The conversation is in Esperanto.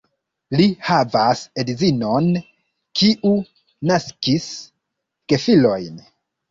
Li havas edzinon, kiu naskis gefilojn.